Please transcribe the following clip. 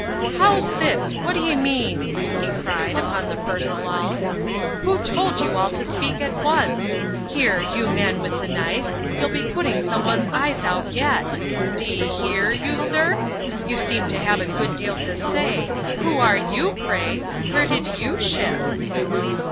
"How's this I what d'ye mean?" he cried, upon the first lull ;" who told you all to speak at once ? Here, you man with the knife, you 11 be putting some one's eyes out yet; d'ye hear, you sir ? You seem to have a good deal to say, who are yaUf pray? where did ^ou ship